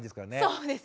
そうですね。